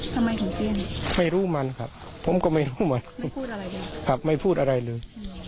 ทำไมของเจียนไม่รู้มันครับผมก็ไม่รู้มันไม่พูดอะไรเลย